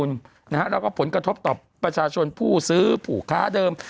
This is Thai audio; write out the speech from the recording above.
แล้วก็ผลกระทบต่อประชาชนผู้ซื้อผู้ค้าเดิม